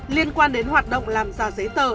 liên quan đến hoạt động làm giả giấy tờ